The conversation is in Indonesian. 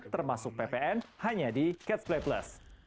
termasuk ppn hanya di catch play plus